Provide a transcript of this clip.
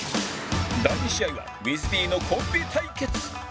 第２試合は ｗｉｔｈＢ のコンビ対決